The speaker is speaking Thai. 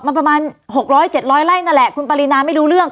มันประมาณหกร้อยเจ็ดร้อยไล่นั่นแหละคุณปารินาไม่รู้เรื่อง